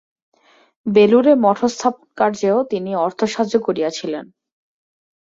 বেলুড়ে মঠস্থাপনকার্যেও তিনি অর্থসাহায্য করিয়াছিলেন।